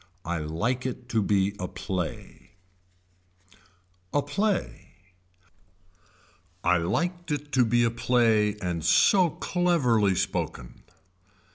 I LIKE IT TO BE A PLAY A PLAY I liked it to be a play and so cleverly spoken.